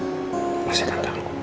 terima kasih tante